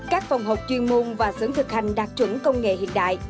các phòng học chuyên môn và sưởng thực hành đạt chuẩn công nghệ hiện đại